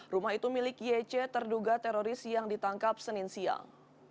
rumah itu milik yece terduga teroris yang ditangkap senin siang